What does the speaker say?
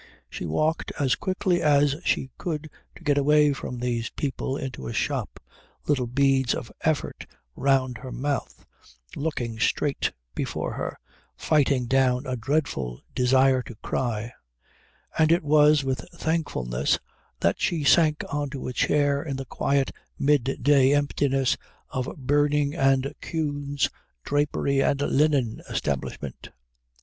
She walked as quickly as she could to get away from these people into a shop, little beads of effort round her mouth, looking straight before her, fighting down a dreadful desire to cry; and it was with thankfulness that she sank on to a chair in the quiet midday emptiness of Berding and Kühn's drapery and linen establishment.